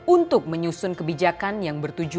untuk menyusun kebijakan yang bertujuan